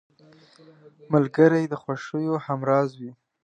ملګری د خوښیو همراز وي